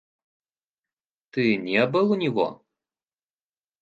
Ты не был у него?